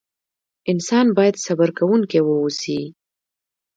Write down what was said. انسان بايد صبر کوونکی واوسئ.